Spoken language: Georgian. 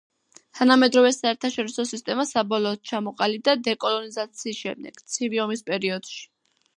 თანამედროვე საერთაშორისო სისტემა საბოლოოდ ჩამოყალიბდა დეკოლონიზაციის შემდეგ, ცივი ომის პერიოდში.